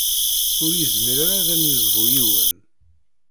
Ur yezmir ara ad am-yezbu yiwen.